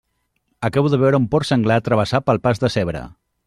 Acabo de veure un porc senglar travessar pel pas de zebra.